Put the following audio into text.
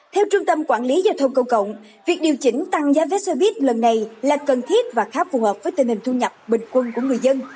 theo trung tâm quản lý giao thông công cộng việc điều chỉnh tăng giá vé xe buýt lần này là cần thiết và khá phù hợp với tình hình thu nhập bình quân của người dân